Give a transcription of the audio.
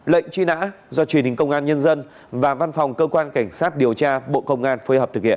lệnh truy nã do truyền hình công an nhân dân và văn phòng cơ quan cảnh sát điều tra bộ công an phối hợp thực hiện